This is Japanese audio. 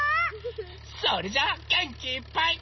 それじゃあげんきいっぱい。